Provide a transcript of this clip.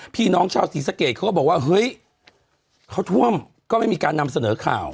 พี่น้องชาวศรีสะเกดเขาก็บอกว่าเฮ้ยเขาท่วมก็ไม่มีการนำเสนอข่าว